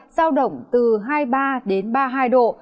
giao động từ hai mươi ba đến ba mươi hai độ